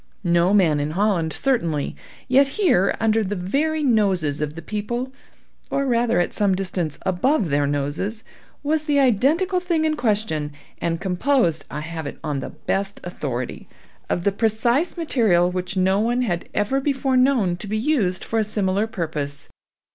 No man in Holland certainly; yet here, under the very noses of the people, or rather at some distance above their noses was the identical thing in question, and composed, I have it on the best authority, of the precise material which no one had ever before known to be used for a similar purpose.